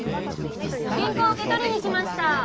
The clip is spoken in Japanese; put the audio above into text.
原稿受け取りに来ました。